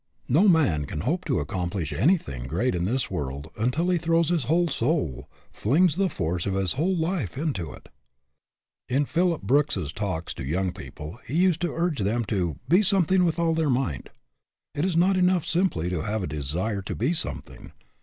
No man can hope to accomplish anything great in this world until he throws his whole soul, flings the force of his whole life, into it. In Phillips Brooks's talks to young people he used to urge them to be something with all their might. It is not enough simply to have 107 lo8 AN OVERMASTERING PURPOSE a general desire to be something.